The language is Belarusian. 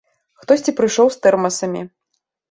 Хтосьці прыйшоў з тэрмасамі.